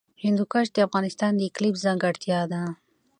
هندوکش د افغانستان د اقلیم ځانګړتیا ده.